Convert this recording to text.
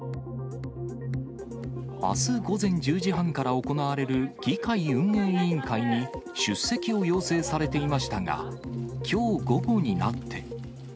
あす午前１０時半から行われる議会運営委員会に出席を要請されていましたが、きょう午後になって。